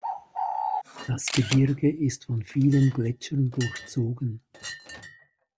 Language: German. Das Gebirge ist von vielen Gletschern durchzogen.